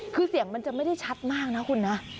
คือเสียงมันจะไม่ได้ชัดมากนะคุณนะ